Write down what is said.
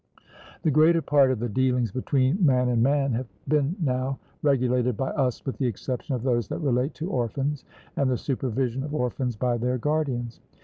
The greater part of the dealings between man and man have been now regulated by us with the exception of those that relate to orphans and the supervision of orphans by their guardians.